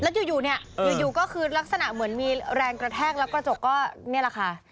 แล้วอยู่เนี่ยอยู่ก็คือลักษณะเหมือนมีแรงกระแทกแล้วกระจกก็นี่แหละค่ะ